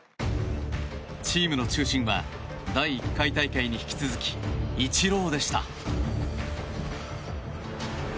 チームの中心は第１回大会に引き続きイチローでした。